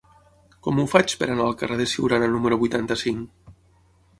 Com ho faig per anar al carrer de Siurana número vuitanta-cinc?